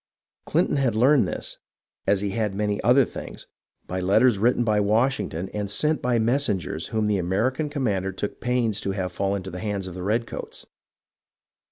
Clinton had learned this, as he had many other things, by letters written by Washington and sent by messengers whom the American commander took pains to have fall into the hands of the redcoats.